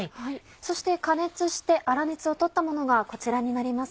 そして加熱して粗熱を取ったものがこちらになります。